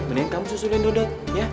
mendingan kamu susulin dodet ya